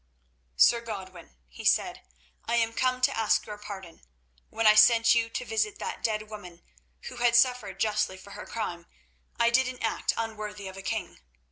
"Sir Godwin," he said, "I am come to ask your pardon. When I sent you to visit that dead woman, who had suffered justly for her crime, I did an act unworthy of a king.